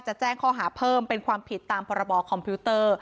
แจ้งข้อหาเพิ่มเป็นความผิดตามพรบคอมพิวเตอร์